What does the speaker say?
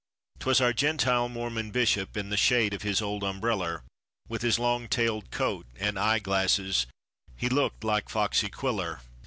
'Twas our Gentile Mormon bishop in the shade of his old umbreller. With his long tailed coat and eye glasses, he looked like Foxy Quiller.